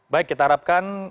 baik kita harapkan